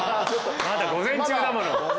まだ午前中だもの。